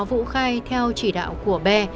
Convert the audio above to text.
vũ khai theo chỉ đạo của bé